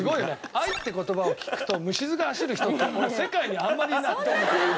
愛って言葉を聞くと虫酸が走る人って世界にあんまりいないと思う。